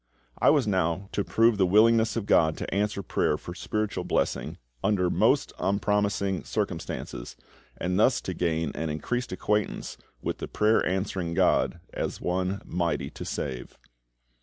I was now to prove the willingness of GOD to answer prayer for spiritual blessing under most unpromising circumstances, and thus to gain an increased acquaintance with the prayer answering GOD as One "mighty to save."